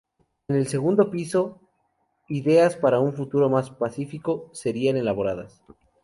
En el segundo piso, ideas para un futuro más pacífico serían elaboradas.